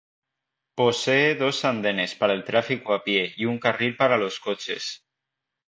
Posee dos andenes para el tráfico a pie y un carril para los coches.